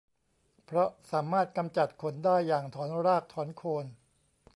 เพราะสามารถกำจัดขนได้อย่างถอนรากถอนโคน